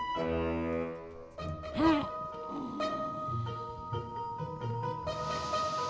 tidak ada apa apa